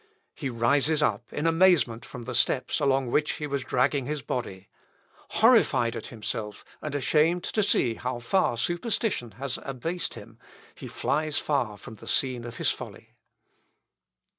He rises up in amazement from the steps along which he was dragging his body. Horrified at himself, and ashamed to see how far superstition has abased him, he flies far from the scene of his folly.